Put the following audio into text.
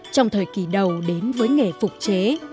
trong thời kỳ đầu đến với nghề phục chế